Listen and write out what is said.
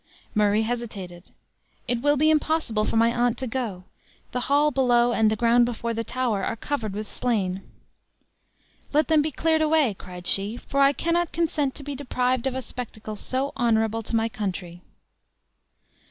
Murray hesitated. "It will be impossible for my aunt to go; the hall below, and the ground before the tower, are covered with slain." "Let them be cleared away!" cried she; "for I cannot consent to be deprived of a spectacle so honorable to my country."